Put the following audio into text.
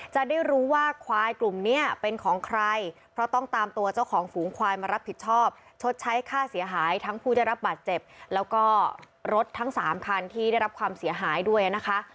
จะได้รู้ว่าควายกลุ่มนี้เป็นของใครเพราะต้องตามตัวเจ้าของฝูงควายมารับผิดชอบชดใช้ค่าเสียหายทั้งผู้ได้รับบาดเจ็บแล้วก็รถทั้งสามคันที่ได้รับความเสียหายด้วยนะคะ